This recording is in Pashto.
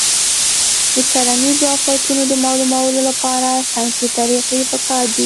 د کرنیزو آفتونو د معلومولو لپاره ساینسي طریقې پکار دي.